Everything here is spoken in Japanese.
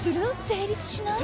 成立しない？